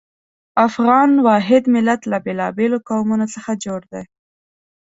افغان واحد ملت له بېلابېلو قومونو څخه جوړ دی.